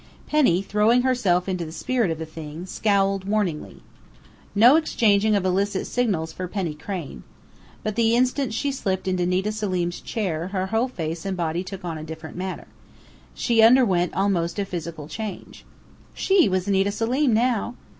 Penny, throwing herself into the spirit of the thing, scowled warningly. No exchanging of illicit signals for Penny Crain! But the instant she slipped into Nita Selim's chair her whole face and body took on a different manner, underwent almost a physical change. She was Nita Selim now!